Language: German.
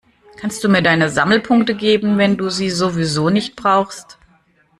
Kannst du mir deine Sammelpunkte geben, wenn du sie sowieso nicht brauchst?